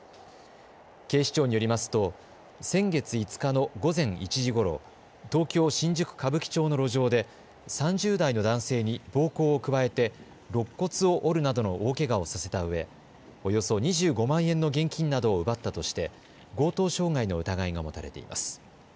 警視庁によりますと先月５日の午前１時ごろ、東京新宿歌舞伎町の路上で３０代の男性に暴行を加えてろっ骨を折るなどの大けがをさせたうえおよそ２５万円の現金などを奪ったとして強盗傷害の疑いが持たれています。